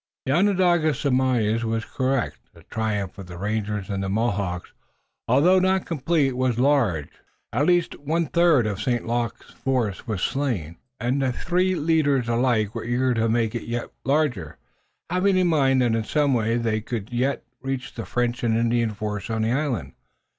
The Onondaga's surmise was correct. The triumph of the rangers and the Mohawks, although not complete, was large, as at least one third of St. Luc's force was slain, and the three leaders alike were eager to make it yet larger, having in mind that in some way they could yet reach the French and Indian force on the island.